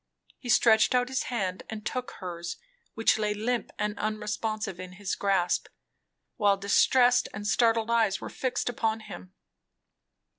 He stretched out his hand and took hers, which lay limp and unresponsive in his grasp, while distressed and startled eyes were fixed upon him.